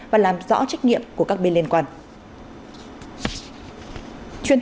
và làm rõ trách nhiệm của các bên liên quan